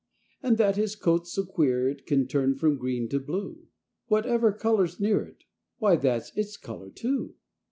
And that his coat's so queer it Can turn from green to blue! Whatever color's near it, Why, that's its color, too!